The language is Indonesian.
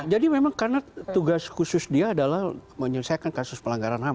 jadi memang karena tugas khusus dia adalah menyelesaikan kasus pelanggaran ham